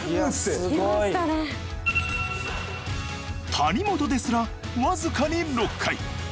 谷本ですら僅かに６回。